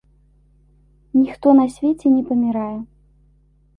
Ніхто на свеце не памірае.